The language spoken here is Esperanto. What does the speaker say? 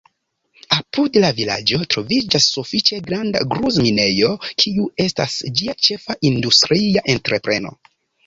Apud la vilaĝo troviĝas sufiĉe granda gruz-minejo, kiu estas ĝia ĉefa industria entrepreno.